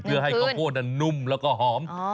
เพื่อให้ข้าวโพธินุ่มแล้วหอม